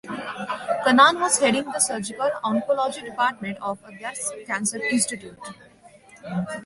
Kannan was heading the surgical oncology department of Adyar Cancer Institute.